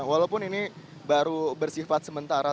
walaupun ini baru bersifat sementara